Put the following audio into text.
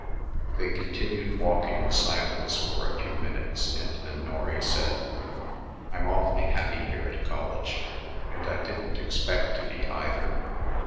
They continued walking in silence for a few minutes, and then Norry said: "I'm awfully happy here at college, and I didn't expect to be, either.